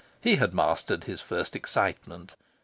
He had mastered his first excitement.